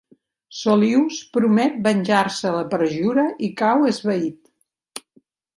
Solius promet venjar-se de la perjura i cau esvaït.